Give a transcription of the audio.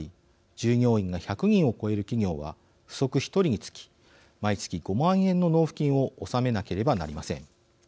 従業員が１００人を超える企業は不足１人につき毎月５万円の納付金を納めなければなりません。